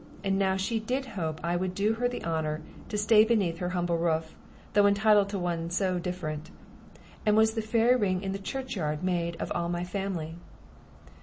And now she did hope I would do her the honor to stay beneath her humble roof, though entitled to one so different. And was the fairy ring in the church yard made of all my family?